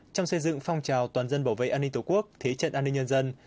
trong xây dựng phong trào toàn dân bảo vệ an ninh tổ quốc thế trận an ninh nhân dân